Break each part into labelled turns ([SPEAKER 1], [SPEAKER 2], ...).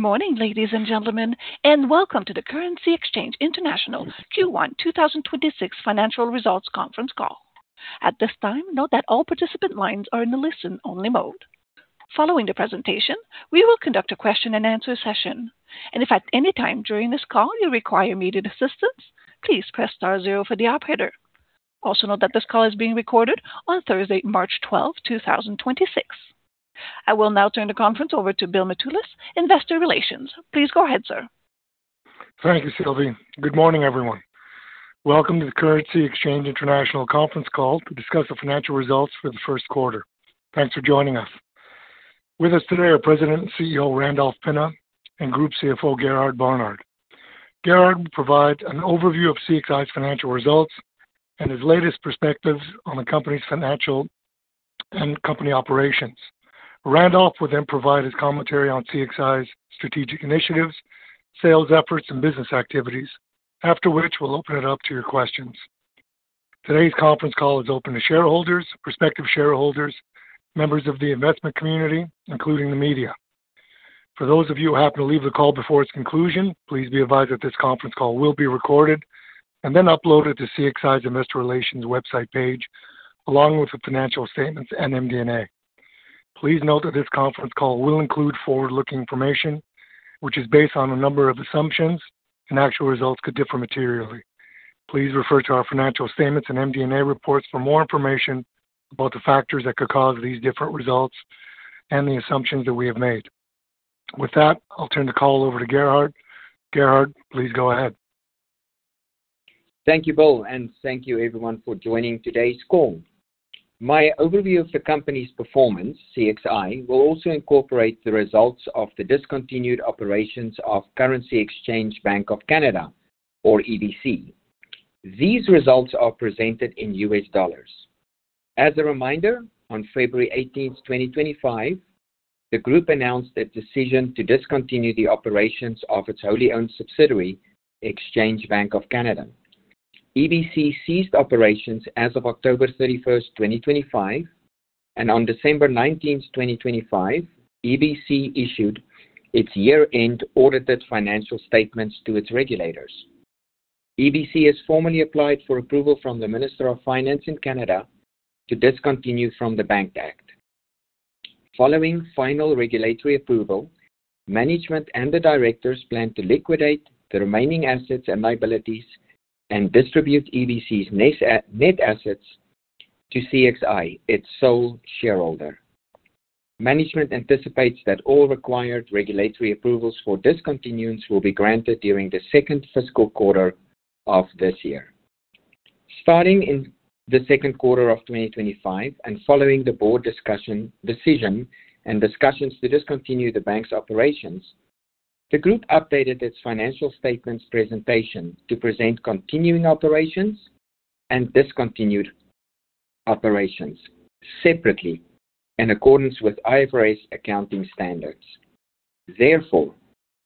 [SPEAKER 1] Morning, ladies and gentlemen, and welcome to the Currency Exchange International Q1 2026 financial results conference call. At this time, note that all participant lines are in the listen only mode. Following the presentation, we will conduct a question and answer session. If at any time during this call you require immediate assistance, please press star zero for the operator. Also note that this call is being recorded on Thursday, March 12th, 2026. I will now turn the conference over to Bill Mitoulas, Investor Relations. Please go ahead, sir.
[SPEAKER 2] Thank you, Sylvie. Good morning, everyone. Welcome to the Currency Exchange International conference call to discuss the financial results for the first quarter. Thanks for joining us. With us today are President and CEO, Randolph Pinna, and Group CFO, Gerhard Barnard. Gerhard will provide an overview of CXI's financial results and his latest perspectives on the company's financial and company operations. Randolph will then provide his commentary on CXI's strategic initiatives, sales efforts, and business activities. After which, we'll open it up to your questions. Today's conference call is open to shareholders, prospective shareholders, members of the investment community, including the media. For those of you who happen to leave the call before its conclusion, please be advised that this conference call will be recorded and then uploaded to CXI's Investor Relations website page, along with the financial statements and MD&A. Please note that this conference call will include forward-looking information, which is based on a number of assumptions and actual results could differ materially. Please refer to our financial statements and MD&A reports for more information about the factors that could cause these different results and the assumptions that we have made. With that, I'll turn the call over to Gerhard. Gerhard, please go ahead.
[SPEAKER 3] Thank you, Bill, and thank you everyone for joining today's call. My overview of the company's performance, CXI, will also incorporate the results of the discontinued operations of Exchange Bank of Canada, or EBC. These results are presented in U.S. dollars. As a reminder, on February 18th, 2025, the group announced its decision to discontinue the operations of its wholly owned subsidiary, Exchange Bank of Canada. EBC ceased operations as of October 31st, 2025, and on December 19th, 2025, EBC issued its year-end audited financial statements to its regulators. EBC has formally applied for approval from the Minister of Finance in Canada to discontinue from the Bank Act. Following final regulatory approval, management and the directors plan to liquidate the remaining assets and liabilities and distribute EBC's net assets to CXI, its sole shareholder. Management anticipates that all required regulatory approvals for discontinuance will be granted during the second fiscal quarter of this year. Starting in the second quarter of 2025, and following the board decision and discussions to discontinue the bank's operations, the group updated its financial statements presentation to present continuing operations and discontinued operations separately in accordance with IFRS accounting standards. Therefore,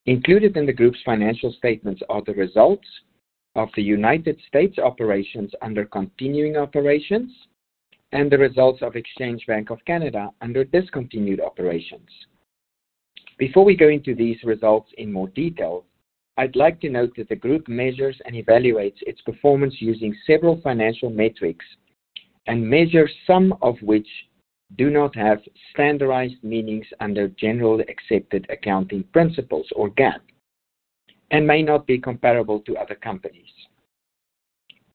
[SPEAKER 3] included in the group's financial statements are the results of the United States operations under continuing operations and the results of Exchange Bank of Canada under discontinued operations. Before we go into these results in more detail, I'd like to note that the group measures and evaluates its performance using several financial metrics and measures, some of which do not have standardized meanings under generally accepted accounting principles or GAAP and may not be comparable to other companies.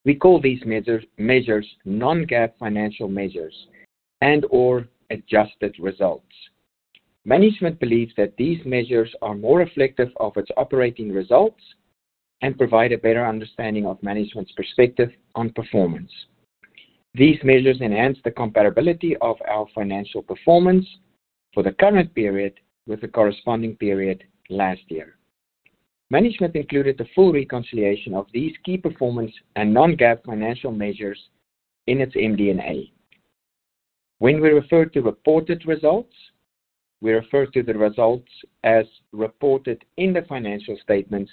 [SPEAKER 3] We call these measures non-GAAP financial measures and/or adjusted results. Management believes that these measures are more reflective of its operating results and provide a better understanding of management's perspective on performance. These measures enhance the comparability of our financial performance for the current period with the corresponding period last year. Management included a full reconciliation of these key performance and non-GAAP financial measures in its MD&A. When we refer to reported results, we refer to the results as reported in the financial statements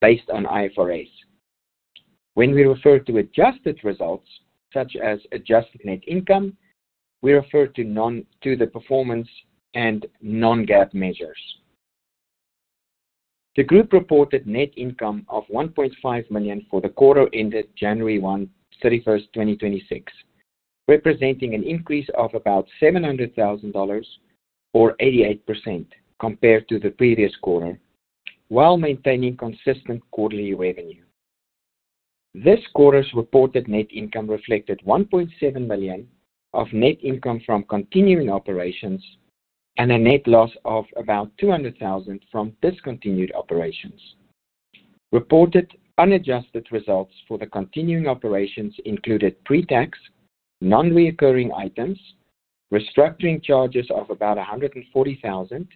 [SPEAKER 3] based on IFRS. When we refer to adjusted results, such as adjusted net income, we refer to the performance and non-GAAP measures. The group reported net income of $1.5 million for the quarter ended January 31st, 2026, representing an increase of about $700,000 or 88% compared to the previous quarter, while maintaining consistent quarterly revenue. This quarter's reported net income reflected $1.7 million of net income from continuing operations and a net loss of about $200,000 from discontinued operations. Reported unadjusted results for the continuing operations included pre-tax, non-recurring items, restructuring charges of about $140,000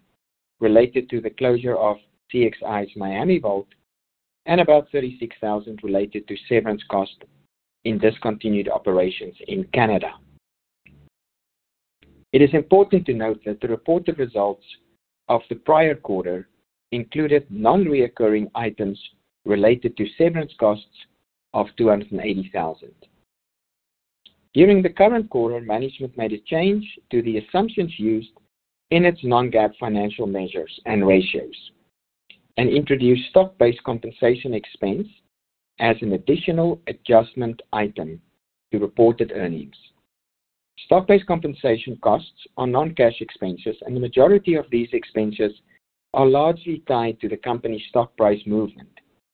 [SPEAKER 3] related to the closure of CXI's Miami Vault and about $36,000 related to severance costs in discontinued operations in Canada. It is important to note that the reported results of the prior quarter included non-recurring items related to severance costs of $280,000. During the current quarter, management made a change to the assumptions used in its non-GAAP financial measures and ratios and introduced stock-based compensation expense as an additional adjustment item to reported earnings. Stock-based compensation costs are non-cash expenses, and the majority of these expenses are largely tied to the company's stock price movement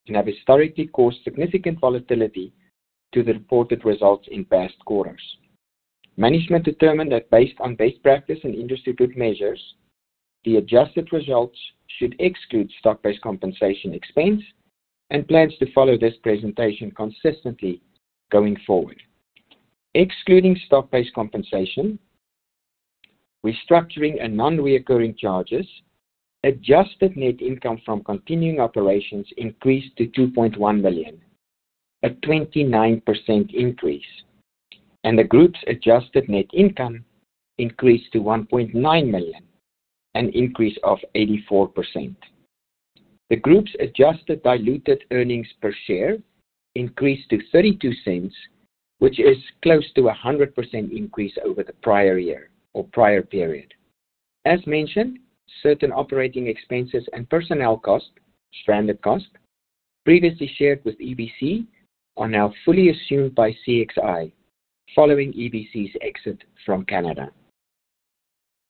[SPEAKER 3] and have historically caused significant volatility to the reported results in past quarters. Management determined that based on best practice and industry group measures, the adjusted results should exclude stock-based compensation expense and plans to follow this presentation consistently going forward. Excluding stock-based compensation, restructuring and non-recurring charges, adjusted net income from continuing operations increased to $2.1 million, a 29% increase, and the group's adjusted net income increased to $1.9 million, an increase of 84%. The group's adjusted diluted earnings per share increased to $0.32, which is close to a 100% increase over the prior year or prior period. As mentioned, certain operating expenses and personnel costs, stranded costs, previously shared with EBC are now fully assumed by CXI following EBC's exit from Canada.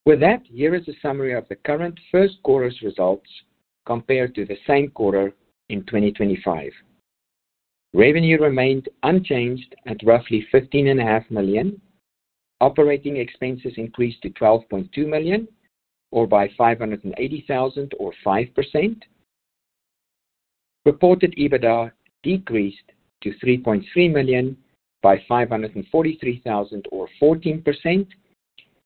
[SPEAKER 3] With that, here is a summary of the current first quarter's results compared to the same quarter in 2025. Revenue remained unchanged at roughly 15.5 million. Operating expenses increased to 12.2 million or by 580,000 or 5%. Reported EBITDA decreased to 3.3 million by 543,000 or 14%,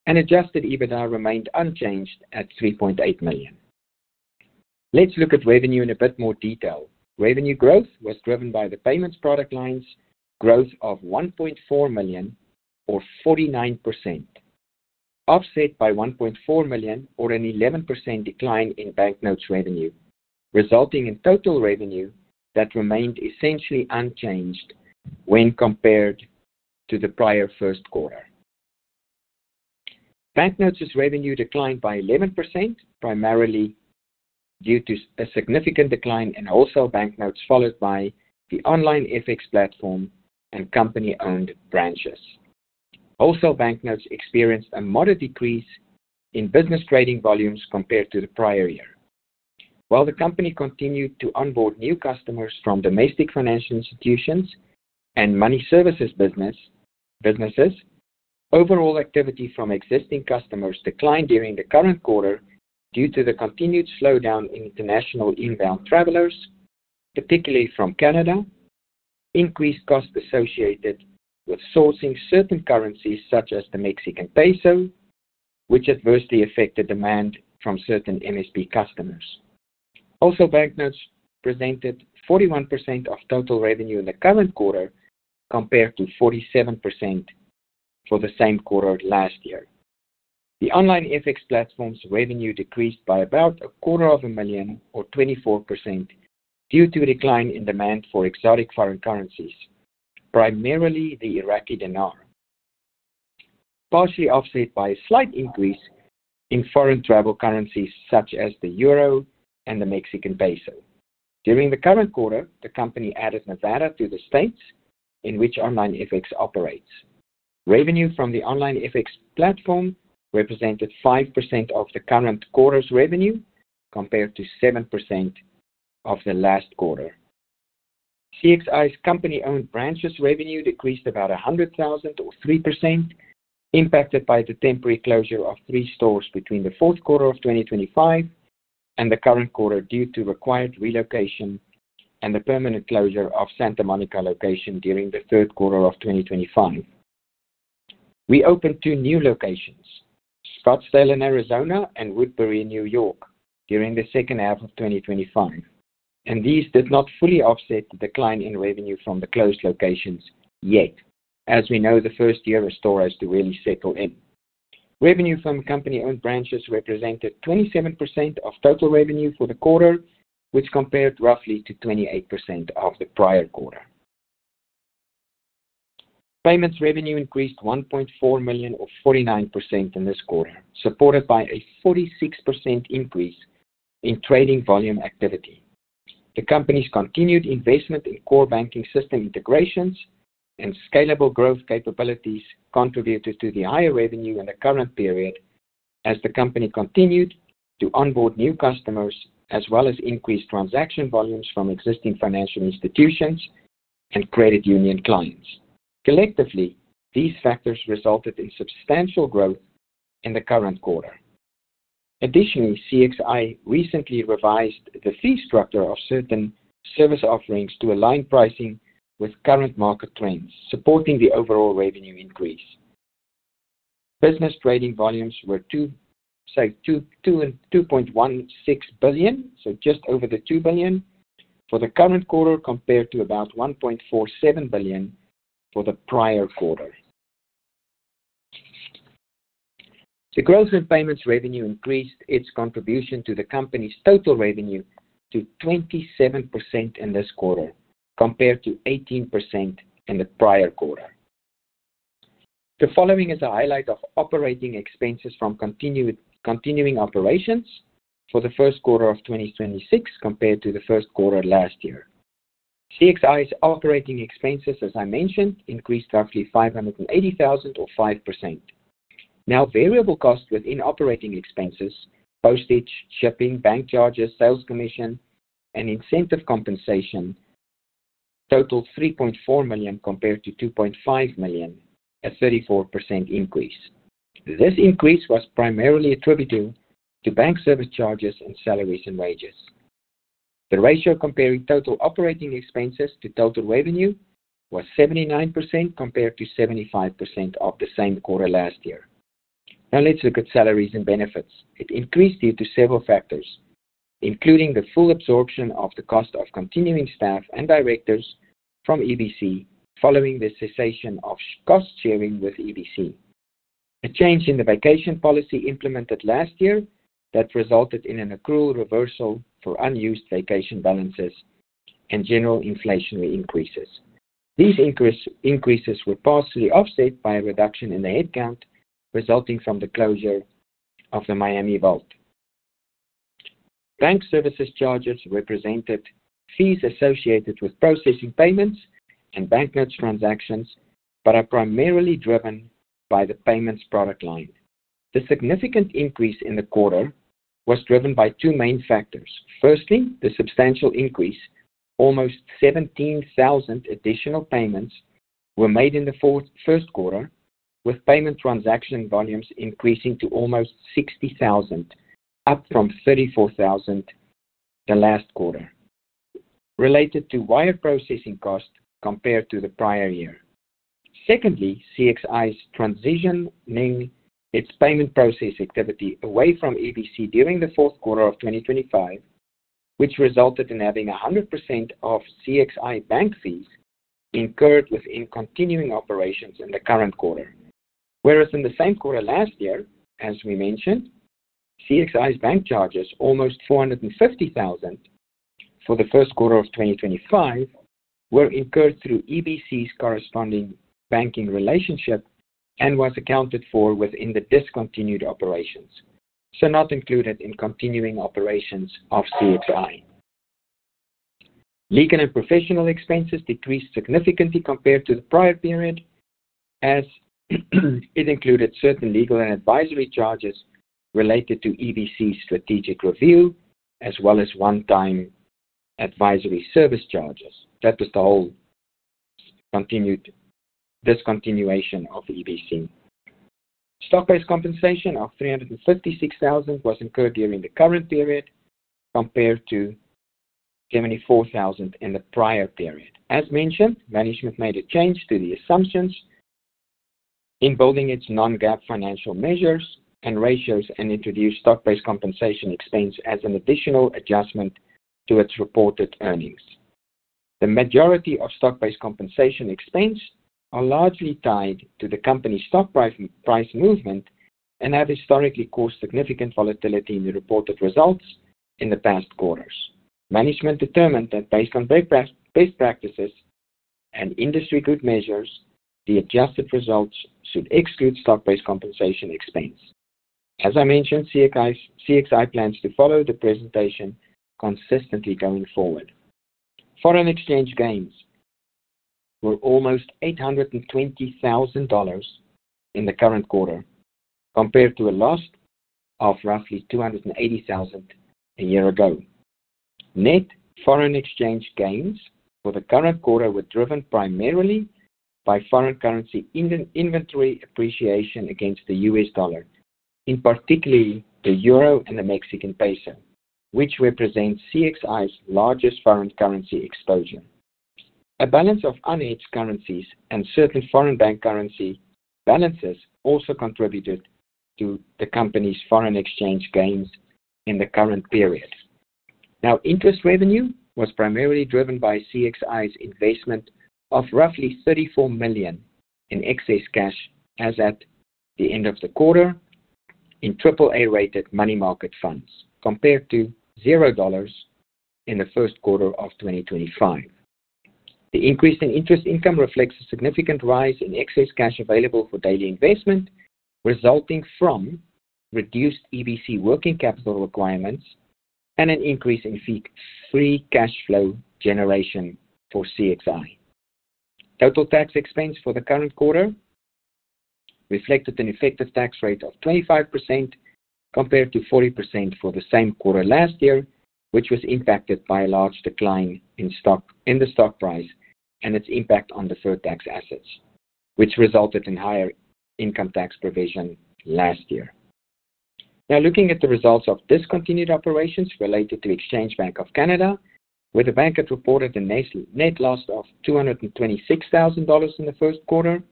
[SPEAKER 3] and adjusted EBITDA remained unchanged at 3.8 million. Let's look at revenue in a bit more detail. Revenue growth was driven by the payments product line's growth of $1.4 million or 49%, offset by $1.4 million or an 11% decline in banknotes revenue, resulting in total revenue that remained essentially unchanged when compared to the prior first quarter. Banknotes' revenue declined by 11%, primarily due to a significant decline in wholesale banknotes, followed by the OnlineFX platform and company-owned branches. Wholesale banknotes experienced a moderate decrease in business trading volumes compared to the prior year. While the company continued to onboard new customers from domestic financial institutions and money services businesses, overall activity from existing customers declined during the current quarter due to the continued slowdown in international inbound travelers, particularly from Canada, increased costs associated with sourcing certain currencies such as the Mexican peso, which adversely affected demand from certain MSB customers. Banknotes presented 41% of total revenue in the current quarter compared to 47% for the same quarter last year. The OnlineFX platform's revenue decreased by about a quarter of a million dollars or 24% due to a decline in demand for exotic foreign currencies, primarily the Iraqi dinar, partially offset by a slight increase in foreign travel currencies such as the euro and the Mexican peso. During the current quarter, the company added Nevada to the states in which OnlineFX operates. Revenue from the OnlineFX platform represented 5% of the current quarter's revenue compared to 7% of the last quarter. CXI's company-owned branches revenue decreased about $100,000 or 3%, impacted by the temporary closure of three stores between the fourth quarter of 2025 and the current quarter due to required relocation and the permanent closure of Santa Monica location during the third quarter of 2025. We opened two new locations, Scottsdale in Arizona and Woodbury in New York during the second half of 2025, and these did not fully offset the decline in revenue from the closed locations yet as we know the first year a store has to really settle in. Revenue from company-owned branches represented 27% of total revenue for the quarter, which compared roughly to 28% of the prior quarter. Payments revenue increased $1.4 million or 49% in this quarter, supported by a 46% increase in trading volume activity. The company's continued investment in core banking system integrations and scalable growth capabilities contributed to the higher revenue in the current period as the company continued to onboard new customers as well as increase transaction volumes from existing financial institutions and credit union clients. Collectively, these factors resulted in substantial growth in the current quarter. Additionally, CXI recently revised the fee structure of certain service offerings to align pricing with current market trends, supporting the overall revenue increase. Business trading volumes were $2.22 billion, so just over the $2 billion for the current quarter compared to about $1.47 billion for the prior quarter. The growth in payments revenue increased its contribution to the company's total revenue to 27% in this quarter, compared to 18% in the prior quarter. The following is a highlight of operating expenses from continuing operations for the first quarter of 2026 compared to the first quarter last year. CXI's operating expenses, as I mentioned, increased roughly $580,000 or 5%. Now, variable costs within operating expenses, postage, shipping, bank charges, sales commission, and incentive compensation totaled $3.4 million compared to $2.5 million, a 34% increase. This increase was primarily attributable to bank service charges and salaries and wages. The ratio comparing total operating expenses to total revenue was 79% compared to 75% of the same quarter last year. Now let's look at salaries and benefits. It increased due to several factors, including the full absorption of the cost of continuing staff and directors from EBC following the cessation of cost sharing with EBC. A change in the vacation policy implemented last year that resulted in an accrual reversal for unused vacation balances and general inflationary increases. These increases were partially offset by a reduction in the headcount resulting from the closure of the Miami Vault. Bank services charges represented fees associated with processing payments and banknotes transactions, but are primarily driven by the payments product line. The significant increase in the quarter was driven by two main factors. Firstly, the substantial increase. Almost 17,000 additional payments were made in the first quarter, with payment transaction volumes increasing to almost 60,000, up from 34,000 the last quarter, related to wire processing costs compared to the prior year. Secondly, CXI's transitioning its payment process activity away from EBC during the fourth quarter of 2025, which resulted in having 100% of CXI bank fees incurred within continuing operations in the current quarter. Whereas in the same quarter last year, as we mentioned, CXI's bank charges almost 450,000 for the first quarter of 2025 were incurred through EBC's corresponding banking relationship and was accounted for within the discontinued operations, so not included in continuing operations of CXI. Legal and professional expenses decreased significantly compared to the prior period, as it included certain legal and advisory charges related to EBC's strategic review, as well as one-time advisory service charges. That was the whole continued discontinuation of EBC. Stock-based compensation of 356,000 was incurred during the current period, compared to 74,000 in the prior period. As mentioned, management made a change to the assumptions in building its non-GAAP financial measures and ratios and introduced stock-based compensation expense as an additional adjustment to its reported earnings. The majority of stock-based compensation expense are largely tied to the company's stock price movement and have historically caused significant volatility in the reported results in the past quarters. Management determined that based on best practices and industry GAAP measures, the adjusted results should exclude stock-based compensation expense. As I mentioned, CXI plans to follow the presentation consistently going forward. Foreign exchange gains were almost $820,000 in the current quarter, compared to a loss of roughly $280,000 a year ago. Net foreign exchange gains for the current quarter were driven primarily by foreign currency inventory appreciation against the U.S. dollar, in particular the euro and the Mexican peso, which represents CXI's largest foreign currency exposure. A balance of unhedged currencies and certain foreign bank currency balances also contributed to the company's foreign exchange gains in the current period. Now, interest revenue was primarily driven by CXI's investment of roughly $34 million in excess cash as at the end of the quarter in AAA-rated money market funds, compared to $0 in the first quarter of 2025. The increase in interest income reflects a significant rise in excess cash available for daily investment, resulting from reduced EBC working capital requirements and an increase in fee-free cash flow generation for CXI. Total tax expense for the current quarter reflected an effective tax rate of 25% compared to 40% for the same quarter last year, which was impacted by a large decline in the stock price and its impact on deferred tax assets, which resulted in higher income tax provision last year. Now looking at the results of discontinued operations related to Exchange Bank of Canada, where the bank had reported a net loss of $226,000 in the first quarter,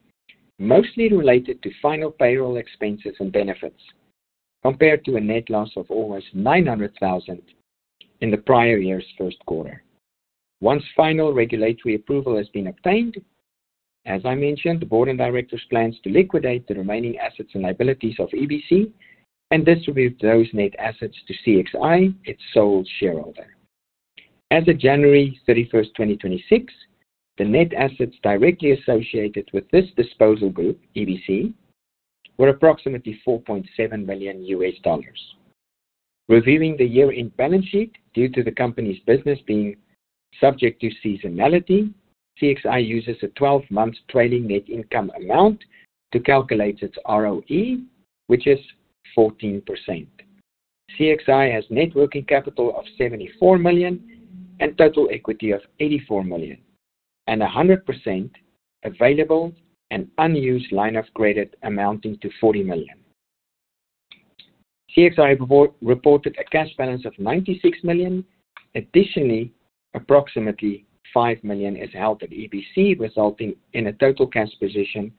[SPEAKER 3] mostly related to final payroll expenses and benefits, compared to a net loss of almost $900,000 in the prior year's first quarter. Once final regulatory approval has been obtained. As I mentioned, the board of directors plans to liquidate the remaining assets and liabilities of EBC, and distribute those net assets to CXI, its sole shareholder. As of January 31st, 2026, the net assets directly associated with this disposal group, EBC, were approximately $4.7 million. Reviewing the year-end balance sheet due to the company's business being subject to seasonality, CXI uses a 12-month trailing net income amount to calculate its ROE, which is 14%. CXI has net working capital of $74 million and total equity of $84 million, and 100% available and unused line of credit amounting to $40 million. CXI reported a cash balance of $96 million. Additionally, approximately $5 million is held at EBC, resulting in a total cash position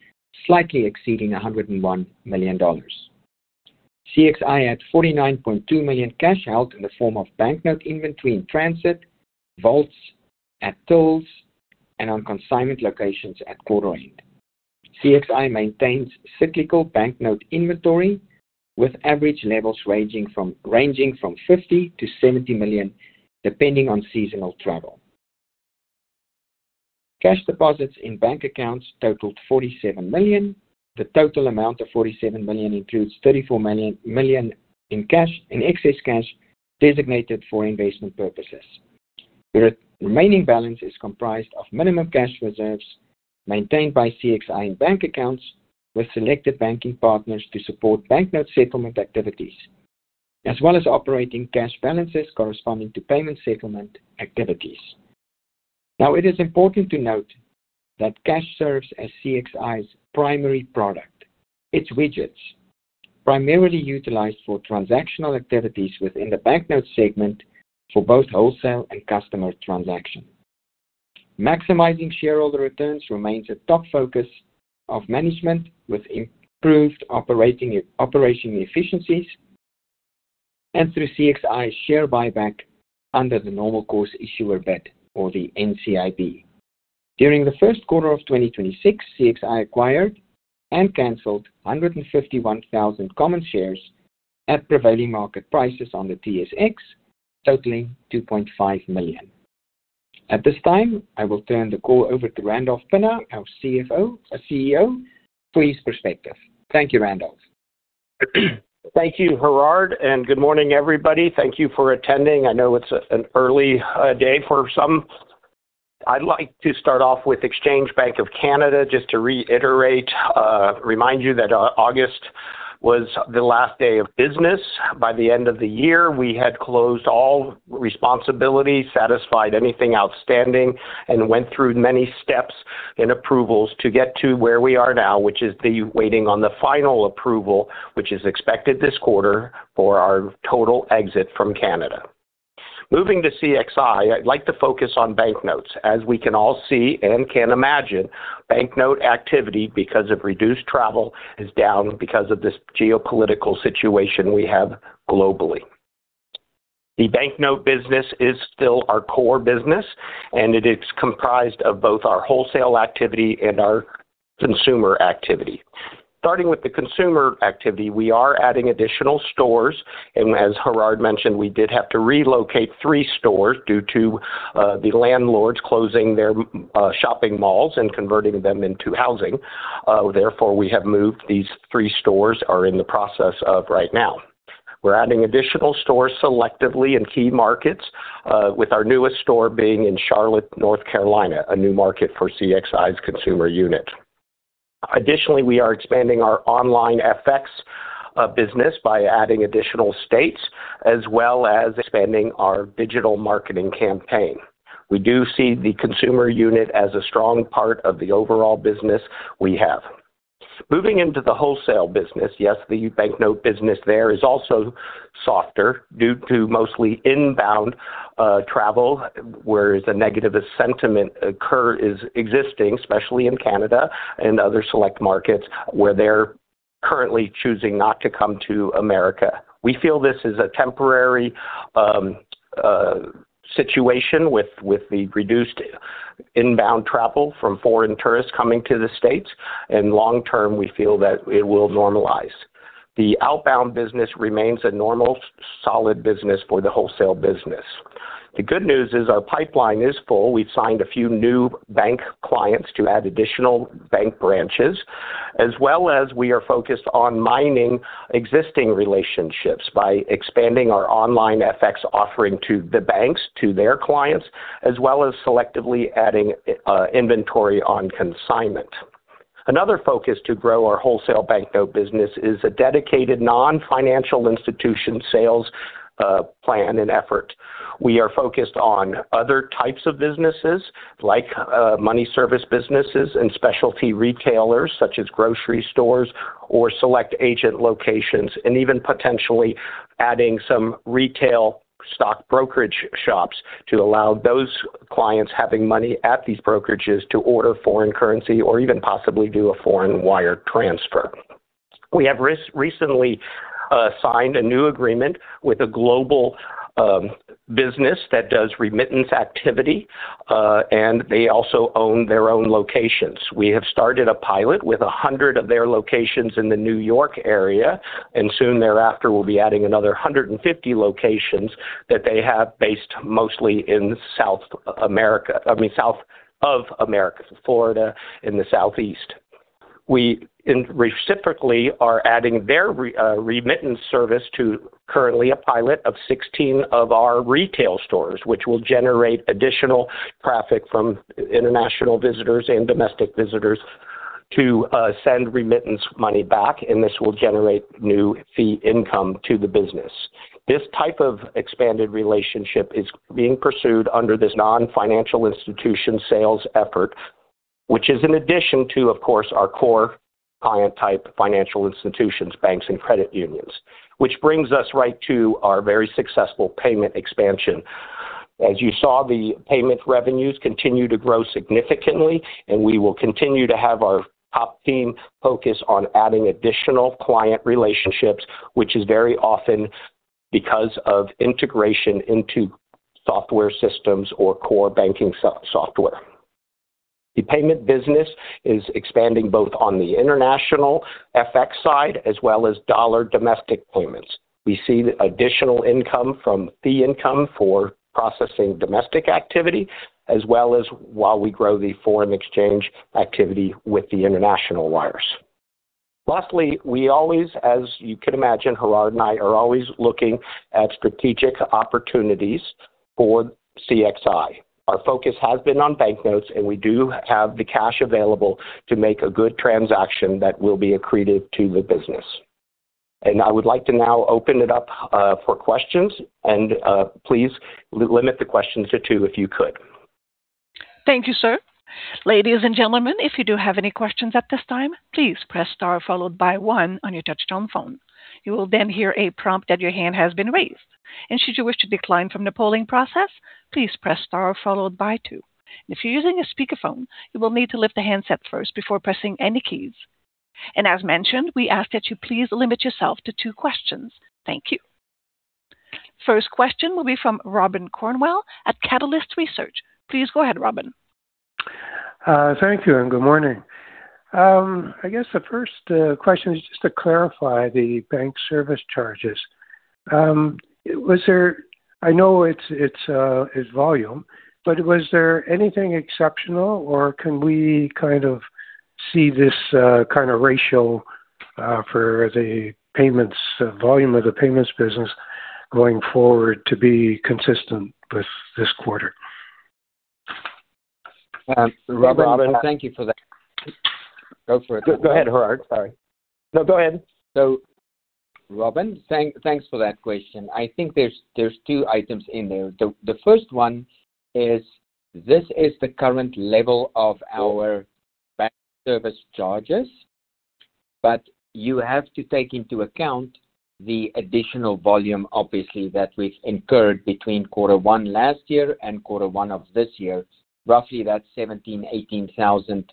[SPEAKER 3] slightly exceeding $101 million. CXI had $49.2 million cash held in the form of banknote inventory in transit, vaults, ATMs, and on consignment locations at quarter end. CXI maintains cyclical banknote inventory with average levels ranging from $50-$70 million, depending on seasonal travel. Cash deposits in bank accounts totaled $47 million. The total amount of $47 million includes $34 million in excess cash designated for investment purposes. The remaining balance is comprised of minimum cash reserves maintained by CXI in bank accounts with selected banking partners to support banknote settlement activities, as well as operating cash balances corresponding to payment settlement activities. Now, it is important to note that cash serves as CXI's primary product. Which is primarily utilized for transactional activities within the banknote segment for both wholesale and customer transactions. Maximizing shareholder returns remains a top focus of management with improved operating efficiencies and through CXI share buyback under the Normal Course Issuer Bid or the NCIB. During the first quarter of 2026, CXI acquired and canceled 151,000 common shares at prevailing market prices on the TSX, totaling $2.5 million. At this time, I will turn the call over to Randolph Pinna, our President and CEO, for his perspective. Thank you, Randolph.
[SPEAKER 4] Thank you, Gerhard, and good morning, everybody. Thank you for attending. I know it's an early day for some. I'd like to start off with Exchange Bank of Canada, just to reiterate, remind you that, August was the last day of business. By the end of the year, we had closed all responsibilities, satisfied anything outstanding, and went through many steps and approvals to get to where we are now, which is the waiting on the final approval, which is expected this quarter for our total exit from Canada. Moving to CXI, I'd like to focus on banknotes. As we can all see and can imagine, banknote activity because of reduced travel is down because of this geopolitical situation we have globally. The banknote business is still our core business, and it is comprised of both our wholesale activity and our consumer activity. Starting with the consumer activity, we are adding additional stores, and as Gerhard mentioned, we did have to relocate three stores due to the landlords closing their shopping malls and converting them into housing. Therefore, we have moved these three stores and are in the process right now. We're adding additional stores selectively in key markets, with our newest store being in Charlotte, North Carolina, a new market for CXI's consumer unit. Additionally, we are expanding our OnlineFX business by adding additional states as well as expanding our digital marketing campaign. We do see the consumer unit as a strong part of the overall business we have. Moving into the wholesale business. Yes, the banknote business there is also softer due to mostly inbound travel, whereas a negative sentiment occurs and exists, especially in Canada and other select markets where they're currently choosing not to come to America. We feel this is a temporary situation with the reduced inbound travel from foreign tourists coming to the States, and long-term, we feel that it will normalize. The outbound business remains a normal, solid business for the wholesale business. The good news is our pipeline is full. We've signed a few new bank clients to add additional bank branches, as well as we are focused on mining existing relationships by expanding our online FX offering to the banks, to their clients, as well as selectively adding inventory on consignment. Another focus to grow our wholesale banknote business is a dedicated non-financial institution sales plan and effort. We are focused on other types of businesses like money service businesses and specialty retailers such as grocery stores or select agent locations, and even potentially adding some retail stock brokerage shops to allow those clients having money at these brokerages to order foreign currency or even possibly do a foreign wire transfer. We have recently signed a new agreement with a global business that does remittance activity, and they also own their own locations. We have started a pilot with 100 of their locations in the New York area, and soon thereafter, we'll be adding another 150 locations that they have based mostly in South America. I mean, south of America, Florida, in the southeast. We reciprocally are adding their remittance service to a current pilot of 16 of our retail stores, which will generate additional traffic from international visitors and domestic visitors to send remittance money back, and this will generate new fee income to the business. This type of expanded relationship is being pursued under this non-financial institution sales effort, which is in addition to, of course, our core client type financial institutions, banks and credit unions. Which brings us right to our very successful payment expansion. As you saw, the payment revenues continue to grow significantly, and we will continue to have our top team focus on adding additional client relationships, which is very often because of integration into software systems or core banking software. The payment business is expanding both on the international FX side as well as dollar domestic payments. We see additional income from fee income for processing domestic activity as well as while we grow the foreign exchange activity with the international wires. Lastly, we always, as you can imagine, Gerhard and I are always looking at strategic opportunities for CXI. Our focus has been on banknotes, and we do have the cash available to make a good transaction that will be accreted to the business. I would like to now open it up, for questions and, please limit the questions to two, if you could.
[SPEAKER 1] Thank you, sir. Ladies and gentlemen, if you do have any questions at this time, please press Star followed by one on your touchtone phone. You will then hear a prompt that your hand has been raised. Should you wish to decline from the polling process, please press star followed by two. If you're using a speakerphone, you will need to lift the handset first before pressing any keys. As mentioned, we ask that you please limit yourself to two questions. Thank you. First question will be from Robin Cornwell at Catalyst Research. Please go ahead, Robin.
[SPEAKER 5] Thank you and good morning. I guess the first question is just to clarify the bank service charges. I know it's volume, but was there anything exceptional, or can we kind of see this kinda ratio for the payments volume of the payments business going forward to be consistent with this quarter?
[SPEAKER 4] Robin, thank you for that.
[SPEAKER 5] Go for it.
[SPEAKER 4] Go ahead, Gerhard. Sorry.
[SPEAKER 5] No, go ahead.
[SPEAKER 3] Robin, thanks for that question. I think there's two items in there. The first one is this is the current level of our bank service charges, but you have to take into account the additional volume, obviously, that we've incurred between quarter one last year and quarter one of this year. Roughly, that's 17,000-18,000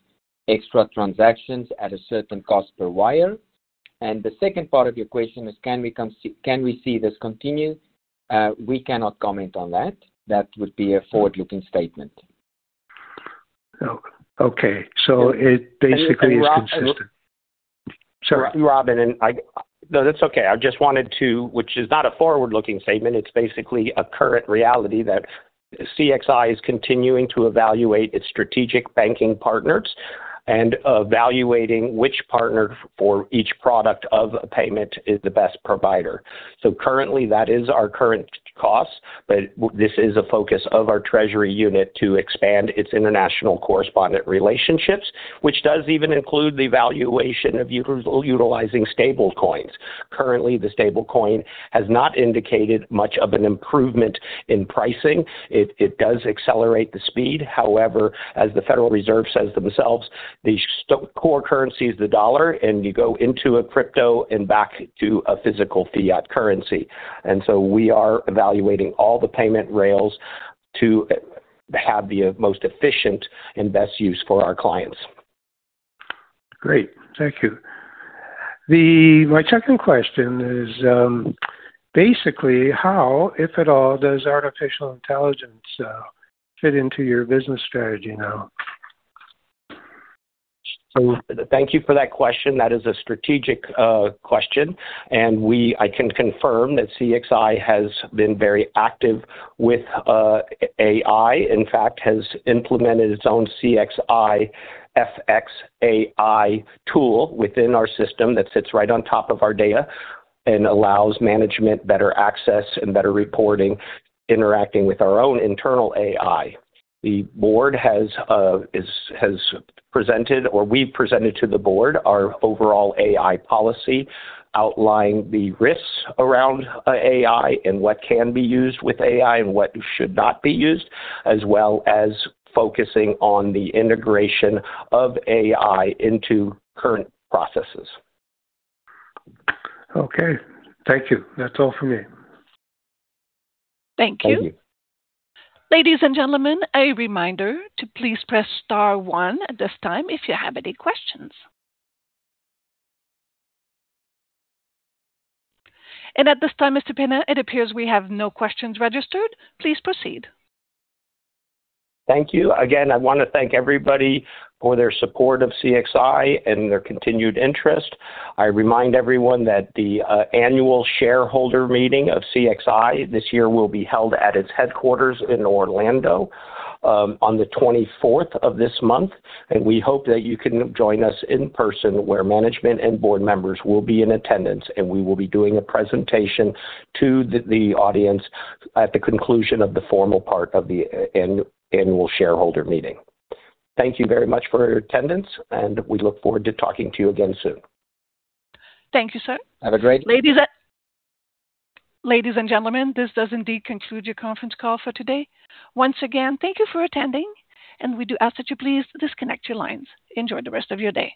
[SPEAKER 3] extra transactions at a certain cost per wire. The second part of your question is can we see this continue? We cannot comment on that. That would be a forward-looking statement.
[SPEAKER 5] Okay. It basically is consistent.
[SPEAKER 4] Robin.
[SPEAKER 5] Sorry.
[SPEAKER 4] No, that's okay. I just wanted to, which is not a forward-looking statement, it's basically a current reality that CXI is continuing to evaluate its strategic banking partners and evaluating which partner for each product of a payment is the best provider. Currently, that is our current cost, but this is a focus of our treasury unit to expand its international correspondent relationships, which does even include the evaluation of utilizing stablecoins. Currently, the stablecoin has not indicated much of an improvement in pricing. It does accelerate the speed. However, as the Federal Reserve says themselves, the core currency is the dollar, and you go into a crypto and back to a physical fiat currency. We are evaluating all the payment rails to have the most efficient and best use for our clients.
[SPEAKER 5] Great. Thank you. My second question is, basically, how, if at all, does artificial intelligence fit into your business strategy now?
[SPEAKER 4] Thank you for that question. That is a strategic question. I can confirm that CXI has been very active with AI, in fact, has implemented its own CXI FX AI tool within our system that sits right on top of our data and allows management better access and better reporting interacting with our own internal AI. The board has presented or we presented to the board our overall AI policy outlining the risks around AI and what can be used with AI and what should not be used, as well as focusing on the integration of AI into current processes.
[SPEAKER 5] Okay. Thank you. That's all for me.
[SPEAKER 1] Thank you.
[SPEAKER 4] Thank you.
[SPEAKER 1] Ladies and gentlemen, a reminder to please press star one at this time if you have any questions. At this time, Mr. Pinna, it appears we have no questions registered. Please proceed.
[SPEAKER 4] Thank you. Again, I wanna thank everybody for their support of CXI and their continued interest. I remind everyone that the annual shareholder meeting of CXI this year will be held at its headquarters in Orlando on the 24th of this month. We hope that you can join us in person where management and board members will be in attendance, and we will be doing a presentation to the audience at the conclusion of the formal part of the annual shareholder meeting. Thank you very much for your attendance, and we look forward to talking to you again soon.
[SPEAKER 1] Thank you, sir.
[SPEAKER 4] Have a great-
[SPEAKER 1] Ladies and gentlemen, this does indeed conclude your conference call for today. Once again, thank you for attending, and we do ask that you please disconnect your lines. Enjoy the rest of your day.